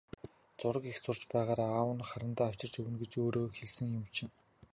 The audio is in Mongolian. Зураг их зурж байгаарай, аав нь харандаа авчирч өгнө гэж өөрөө хэлсэн юм чинь.